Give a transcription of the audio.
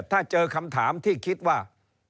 ถ้าเจอคำถามที่คิดว่า